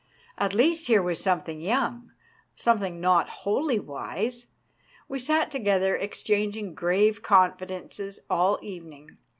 At least here was something young, something not wholly wise. We sat together, exchanging grave confidences all the evening.